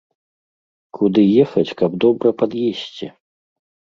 Куды ехаць, каб добра пад'есці?